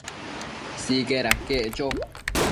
Sicaid aquec cho